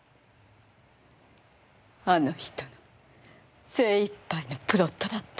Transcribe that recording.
あの人の精いっぱいのプロットだった。